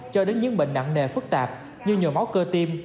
cho đến những bệnh nặng nề phức tạp như nhồi máu cơ tim